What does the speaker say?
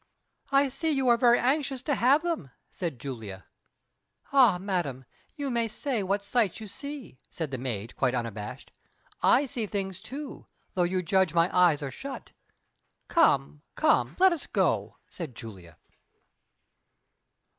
"I see you are very anxious to have them," said Julia. "Ay, madam, you may say what sights you see," said the maid, quite unabashed. "I see things, too, although you judge my eyes are shut." "Come, come, let us go," said Julia.